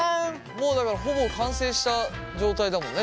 もうだからほぼ完成した状態だもんねそれがね。